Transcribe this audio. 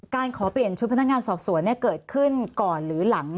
การขอเปลี่ยนชุดพนักงานสอบสวนเกิดขึ้นก่อนหรือหลัง